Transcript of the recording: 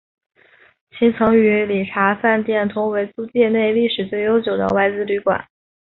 其曾与礼查饭店同为租界内历史最悠久的外资旅馆。